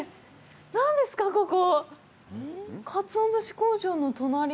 何ですか、ここ。